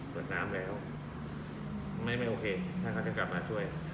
วดน้ำแล้วไม่โอเคถ้าเขาจะกลับมาช่วย